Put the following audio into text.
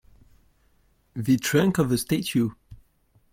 The trunk of a statue.